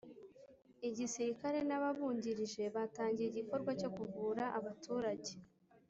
igisirikare n’ ababungirije batangiye igikorwa cyo kuvura abaturage